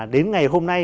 đến ngày hôm nay